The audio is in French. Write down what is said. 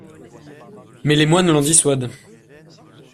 Mais les moines l'en dissuadent.